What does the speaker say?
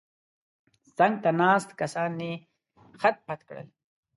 څنګ ته ناست کسان یې خت پت کړل.